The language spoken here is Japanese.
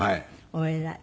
お偉い。